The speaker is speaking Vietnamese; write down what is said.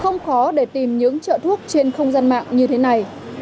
không khó để tìm những trợ thuốc trên không gian mạng như thế này